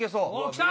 来た！